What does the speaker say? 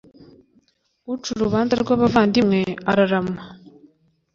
Uca urubanza rw’abavandimwe arararma.